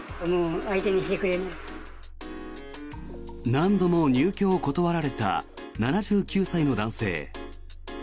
何度も入居を断られた７９歳の男性。